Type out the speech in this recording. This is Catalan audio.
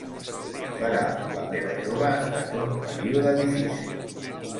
Per a la meva jove ha estat un període difícil.